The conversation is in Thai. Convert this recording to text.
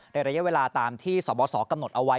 ระยะเวลาตามที่สบสกำหนดเอาไว้